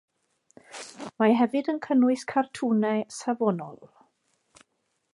Mae hefyd yn cynnwys cartwnau safonol.